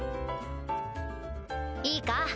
いいか？